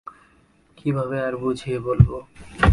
কীভাবে আর বুঝিয়ে বলব?